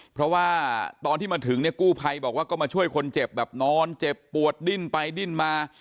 เพราะว่าตอนที่มาถึงเนี่ยกู้ภัยบอกว่าก็มาช่วยคนเจ็บแบบนอนเจ็บปวดดิ้นไปดิ้นมา